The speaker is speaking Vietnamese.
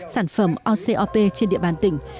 sản phẩm ocop trên địa bàn tỉnh